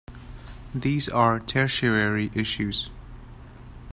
These are tertiary issues.